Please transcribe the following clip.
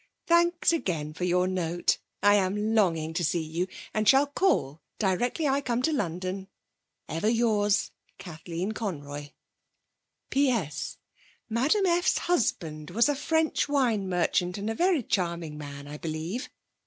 'Thanks again for your note. I am longing to see you, and shall call directly I come to London. Ever yours, 'KATHLEEN CONROY 'P.S. Madame F's husband was a French wine merchant, and a very charming man, I believe.